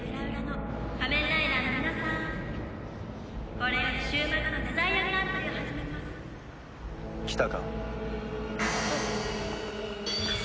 「これより終幕のデザイアグランプリを始めます」来たか。